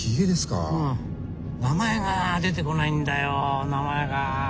名前が出てこないんだよ名前が。